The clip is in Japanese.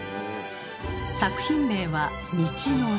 作品名は「道のり」。